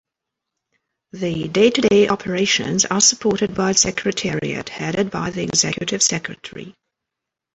The day-to-day operations are supported by its secretariat headed by the executive secretary.